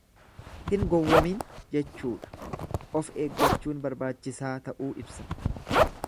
Hin gowwomiin jechuudha, of eeggachuun barbaachisaa ta'uu ibsa.